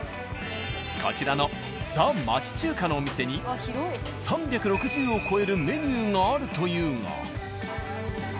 こちらのザ・町中華のお店に３６０を超えるメニューがあるというが。